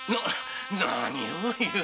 何を言う！